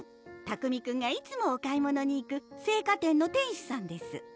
拓海くんがいつもお買い物に行く青果店の店主さんです